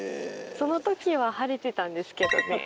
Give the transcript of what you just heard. そのときは晴れてたんですけどね。